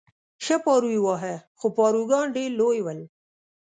ښه پارو یې واهه، خو پاروګان ډېر لوی ول.